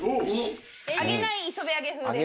揚げない磯辺揚げ風です。